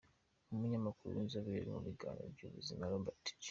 n’umunyamakuru w’inzobere mu biganiro by’ubuzima, Robert J.